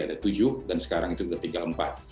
ada tujuh dan sekarang itu sudah tiga empat